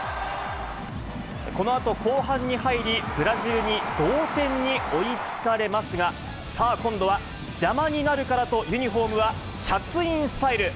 このあと後半に入り、ブラジルの同点に追い付かれますが、さあ、今度は、邪魔になるからと、ユニホームはシャツインスタイル。